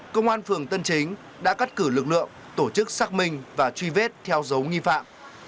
công an phường tân chính đã cắt cử lực lượng tổ chức xác minh và truy vết theo dấu nghi phạm